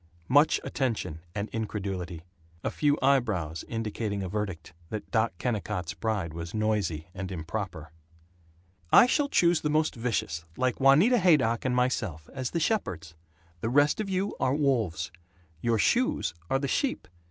Much attention and incredulity. A few eyebrows indicating a verdict that Doc Kennicott's bride was noisy and improper. "I shall choose the most vicious, like Juanita Haydock and myself, as the shepherds. The rest of you are wolves. Your shoes are the sheep.